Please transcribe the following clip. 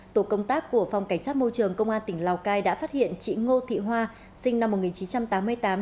tổ công tác của phòng cảnh sát môi trường công an tỉnh lào cai đã phát hiện chị ngô thị hoa sinh năm một nghìn chín trăm tám mươi tám